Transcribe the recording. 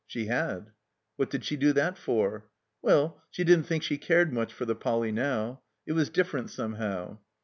She had. What did she do that for? Well— she didn't think she cared much for the Poly. now. It was different somehow.